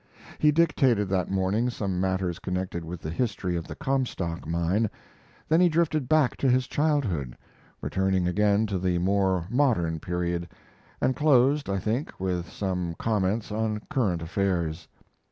He dictated that morning some matters connected with the history of the Comstock mine; then he drifted back to his childhood, returning again to the more modern period, and closed, I think, with some comments on current affairs.